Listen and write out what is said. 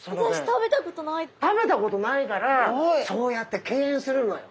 食べたことないからそうやって敬遠するのよ。